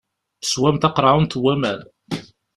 Teswam taqeṛɛunt n waman.